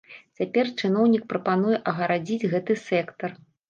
Цяпер чыноўнік прапануе агарадзіць гэты сектар.